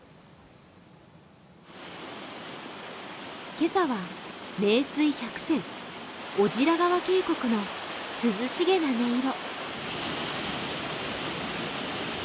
今朝は名水１００選、尾白川渓谷の涼しげな音色。